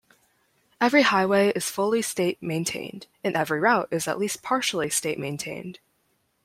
Every highway is fully state-maintained, and every route is at least partially state-maintained.